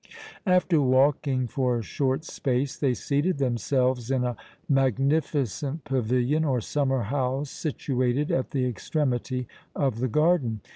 After walking for a short space, they seated themselves in a magnificent pavilion or summer house situated at the extremity of the garden.